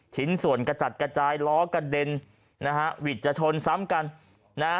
ชิ้นส่วนกระจัดกระจายล้อกระเด็นนะฮะหวิดจะชนซ้ำกันนะฮะ